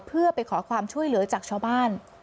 เพื่อไปขอความช่วยเหลือจากชาวบ้าน